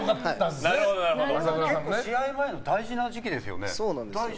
結構試合前の大事な時期ですよね。